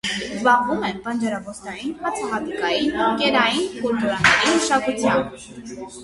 Զբաղվում են բանջարաբոստանային, հացահատիկային, կերային կուլտուրաների մշակությամբ։